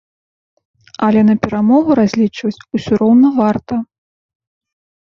Але на перамогу разлічваць усё роўна варта!